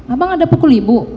abang ada pukul ibu